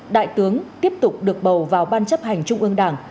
đại tướng tiếp tục được bầu vào ban chấp hành trung ương đảng